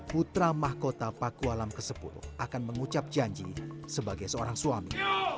putra mahkota pakualam ke sepuluh akan mengucap janji sebagai seorang suami